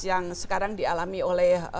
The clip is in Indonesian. yang sekarang dialami oleh